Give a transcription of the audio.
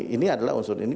ini adalah unsur ini